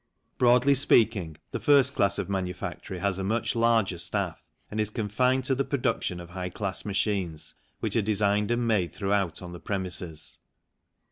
Broadly speaking, the first class of manufactory has a much larger staff and is confined to the production of high class machines, which are designed and made throughout on the premises.